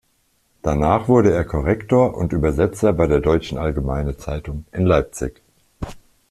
Danach wurde er Korrektor und Übersetzer bei der Deutschen Allgemeine Zeitung in Leipzig.